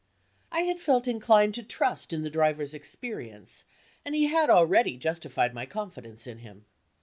I had felt inclined to trust in the driver's experience, and he had already justified my confidence in him.